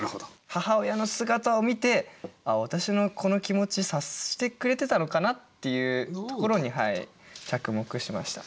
母親の姿を見て「あっ私のこの気持ち察してくれてたのかな？」っていうところに着目しました。